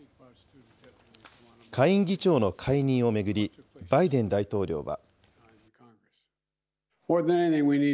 下院議長の解任を巡り、バイデン大統領は。